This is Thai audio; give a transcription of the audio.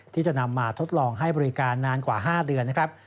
ที่จะนำมาทดลองให้บริการนานกว่า๕เดือนนะครับ